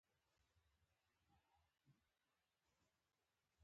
نو دویم تن مجبور دی چې ځان پسې ورسوي